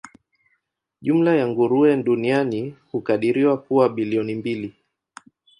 Jumla ya nguruwe duniani hukadiriwa kuwa bilioni mbili.